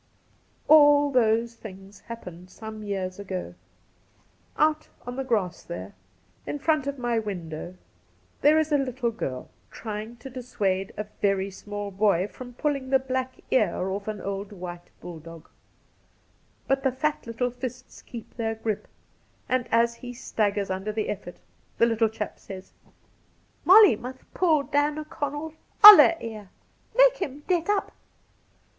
AU those things happened some years ago. Out on the grass there, in front of my window, there is a little girl trying to dissuade a very small boy from puUing the black ear off an old white bulldog ; but the fat little fists keep their grip, and as he staggers under the effort the little chap says :' MoUy mus' puU Dan'l Conn'l oUa ear ! Mahe him det up